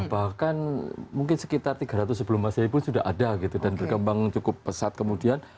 bahkan mungkin sekitar tiga ratus sebelum masa seribu sudah ada gitu dan berkembang cukup pesat kemudian